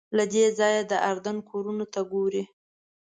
له دې ځایه د اردن کورونو ته ګورې.